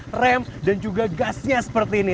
rem dan juga gasnya seperti ini